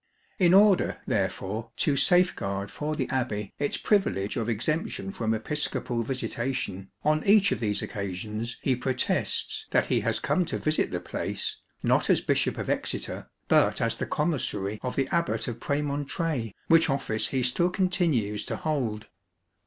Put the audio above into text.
In order, therefore, to safeguard for the abbey its privilege of exemption from episcopal visitation, on each of these occasions he protests that he has come to visit the place not as Bishop of Exeter, but as the commissary of the Abbot of Premontre, which office he still continues to hold.